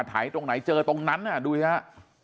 ถ่ายตรงไหนเจอตรงนั้นดูดิคะ